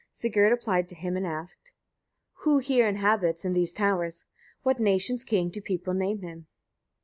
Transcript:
Sigurd applied to him, and asked: 1. Who here inhabits, in these towers? what nation's king do people name him?